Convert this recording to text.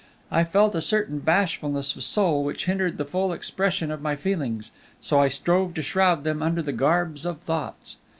I felt a certain bashfulness of soul which hindered the full expression of my feelings, so I strove to shroud them under the garbs of thoughts.